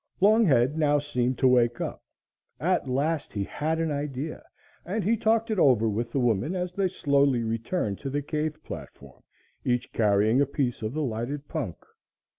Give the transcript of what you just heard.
"] Longhead now seemed to wake up; at last he had an idea, and he talked it over with the woman as they slowly returned to the cave platform, each carrying a piece of the lighted punk.